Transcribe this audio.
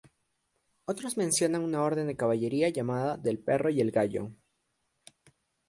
Otros mencionan una Orden de Caballería llamada "del perro y el gallo".